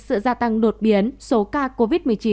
sự gia tăng đột biến số ca covid một mươi chín